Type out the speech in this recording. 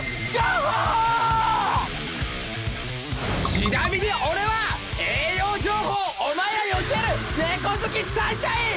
ちなみに俺は栄養情報をお前らに教える猫好きサンシャイン！